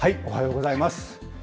おはようございます。